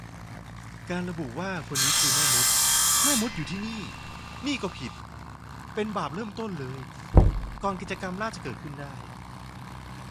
การระบุว่าคนนี้คือแม่มด แม่มดอยู่ที่นี่ นี่ก็ผิด เป็นบาปเริ่มต้นเลย ก่อนกิจกรรมล่าจะเกิดขึ้นได้